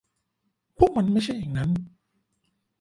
พวกมันไม่ใช่อย่างนั้น